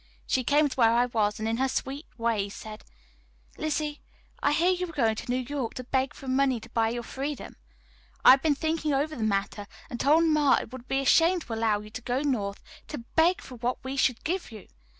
She came to where I was, and in her sweet way said: "Lizzie, I hear that you are going to New York to beg for money to buy your freedom. I have been thinking over the matter, and told Ma it would be a shame to allow you to go North to beg for what we should give you.